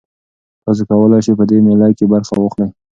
تاسي کولای شئ په دې مېله کې برخه واخلئ.